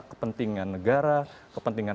kepentingan negara kepentingan